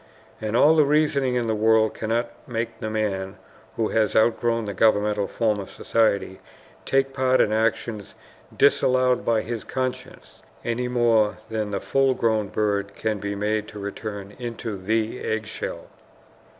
And all the reasoning in the world cannot make the man who has outgrown the governmental form of society take part in actions disallowed by his conscience, any more than the full grown bird can be made to return into the egg shell.